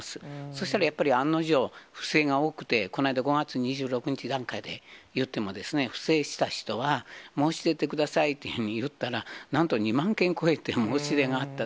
そしたらやっぱり案の定、不正が多くて、この間５月２６日段階でいっても不正した人は、申し出てくださいというふうに言ったら、なんと２万件超えて申し出があった。